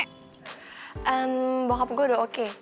ehm bokap gue udah oke